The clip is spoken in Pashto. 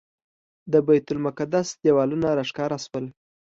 د بیت المقدس دیوالونه راښکاره شول.